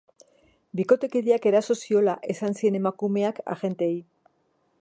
Bikotekideak eraso ziola esan zien emakumeak agenteei.